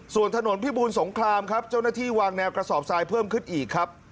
ส่วนถนนพิบูรสงครามครับเจ้าหน้าที่วางแนวกระสอบทรายเพิ่มขึ้นอีกครับ